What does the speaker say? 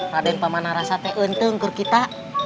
raden paman merasa tak beruntung dengan kita